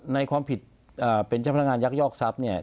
ในความผิดเป็นเจ้าพนักงานยักยอกทรัพย์เนี่ย